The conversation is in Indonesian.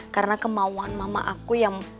karena kemauan mama aku yang